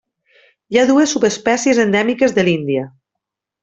Hi ha dues subespècies endèmiques de l'Índia.